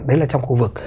đấy là trong khu vực